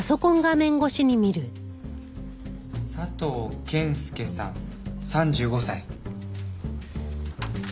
佐藤謙介さん３５歳。